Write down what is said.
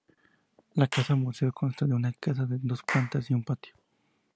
La casa museo consta de una casa de dos plantas y un patio.